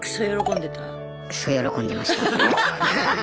クソ喜んでました。